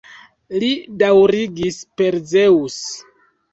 Li daŭrigis: Per Zeŭs!